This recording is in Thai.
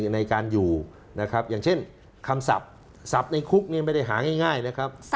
ในการอยู่นะครับอย่างเช่นคำสับสับในคลุกไม่ได้หาง่ายนะครับ